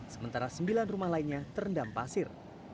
sementara sembilan rumah lainnya terendam pasir